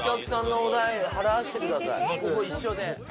ここ一緒で。